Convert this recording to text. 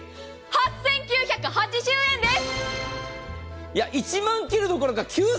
８９８０円です。